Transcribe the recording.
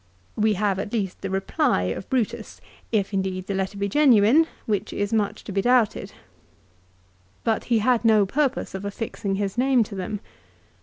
We have at least the reply of Brutus, if indeed the letter be genuine, which is much to be doubted. 2 But he had no purpose of affixing his name to them.